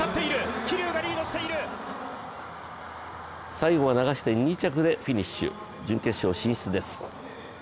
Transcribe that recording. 最後は流して２着でフィニッシュ準決勝進出です。